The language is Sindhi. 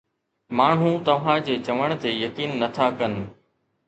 ماڻهو توهان جي چوڻ تي يقين نه ٿا ڪن.